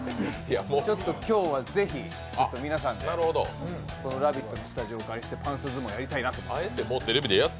ちょっと今日はぜひ皆さんで、この「ラヴィット！」のスタジオをお借りしてパンスト相撲やりたいなと。